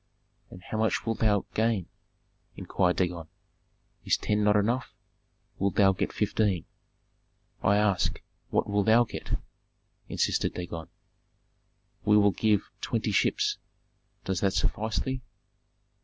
"And how much wilt thou gain?" inquired Dagon. "Is ten not enough? Thou wilt get fifteen." "I ask, what wilt thou get?" insisted Dagon. "We will give twenty ships. Does that suffice thee?"